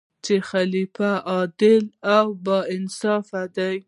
چې خلیفه عادل او با انصافه دی.